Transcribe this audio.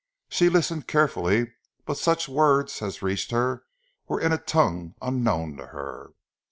She listened carefully, but such words as reached her were in a tongue unknown to her.